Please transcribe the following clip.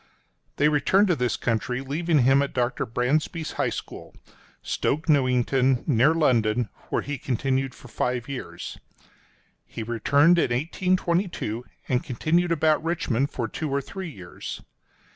— They returned to this country, leaving him at Dr. Brandsby's High School, Stoke Newington, near London, where he continued five years. He returned in 1822, and continued about Richmond for two or three years.